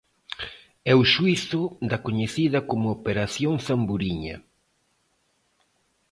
É o xuízo da coñecida como operación Zamburiña.